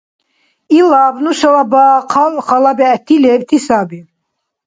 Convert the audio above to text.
Илаб нушала бахъал хала бегӀти лебти саби.